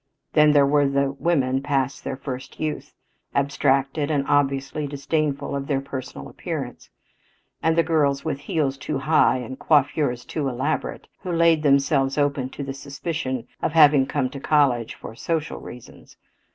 Then there were the women past their first youth, abstracted, and obviously disdainful of their personal appearance; and the girls with heels too high and coiffures too elaborate, who laid themselves open to the suspicion of having come to college for social reasons.